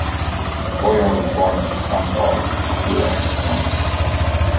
Boyer was born in Saint-Claude, Jura, France.